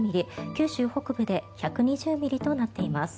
九州北部で１２０ミリとなっています。